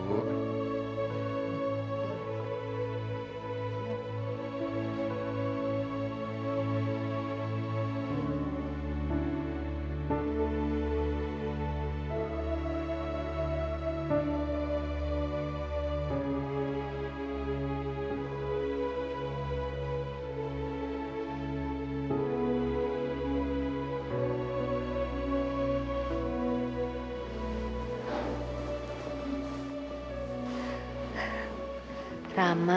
ya udah rama